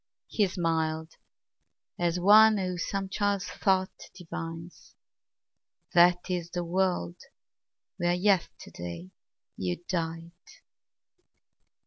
He smiled as one who some child's thought divines: "That is the world where yesternight you died."